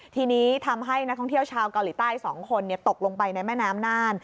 ทีนี้ทำให้นักท่องเที่ยวชาวเกาหลีใต้๒คนตกลงไปในแม่น้ำน่าน